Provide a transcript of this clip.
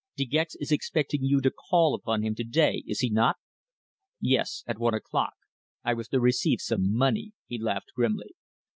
De Gex is expecting you to call upon him to day, is he not?" "Yes. At one o'clock. I was to receive some money," he laughed grimly.